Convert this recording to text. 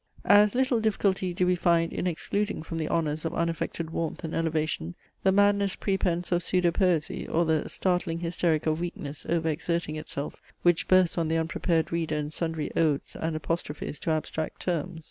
As little difficulty do we find in excluding from the honours of unaffected warmth and elevation the madness prepense of pseudopoesy, or the startling hysteric of weakness over exerting itself, which bursts on the unprepared reader in sundry odes and apostrophes to abstract terms.